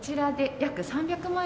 約３００万円。